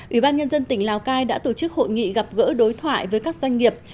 ủy ban nhân dân tỉnh lào cai đã tổ chức hội nghị gặp gỡ đối thoại với các doanh nghiệp